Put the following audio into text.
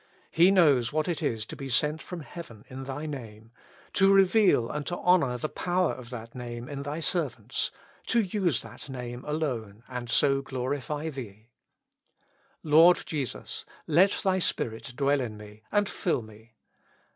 He knows what it is to be sent from heaven in Thy Name, to reveal and to honor the power of that Name in Thy servants, to use that Name alone, and so to glorify Thee. Lord Jesus ! let Thy Spirit dwell in me, and fill me.